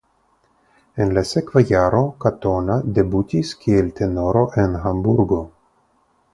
En la sekva jaro Katona debutis kiel tenoro en Hamburgo.